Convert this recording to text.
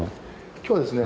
今日はですね